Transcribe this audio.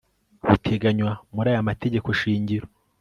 buteganywa muri aya mategeko shingiro